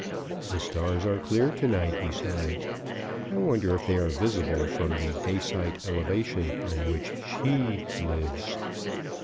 "The stars are clear to night," he sighed. "I wonder if they are visible from the dacite elevation on which SHE lives."